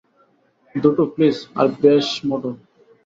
দুটো প্লিজ, আর বেশ মোটা।